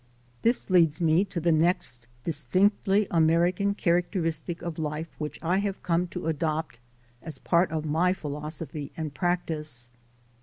This leads me to the next distinctly American characteristic of life which I have come to adopt as a part of my philosophy and practice.